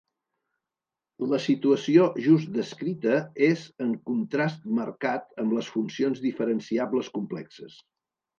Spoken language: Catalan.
La situació just descrita és en contrast marcat amb les funcions diferenciables complexes.